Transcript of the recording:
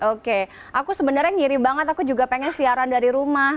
oke aku sebenarnya ngiri banget aku juga pengen siaran dari rumah